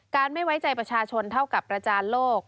ไม่ไว้ใจประชาชนเท่ากับประจานโลก